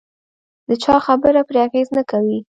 د چا خبره پرې اغېز نه کوي.